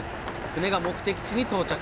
船が目的地に到着。